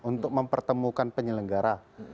untuk mempertemukan penyelenggara